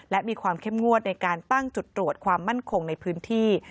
และมีความเข้มงวดในการตั้งจุดตรวจความมั่นคงในพื้นที่